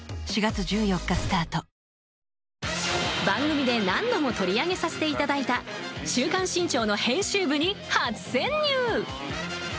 番組で何度も取り上げさせていただいた「週刊新潮」の編集部に初潜入。